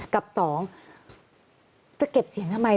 กับสองจะเก็บเสียงทำไม